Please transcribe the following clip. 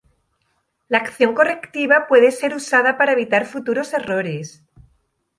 La acción correctiva puede ser usada para evitar futuros errores.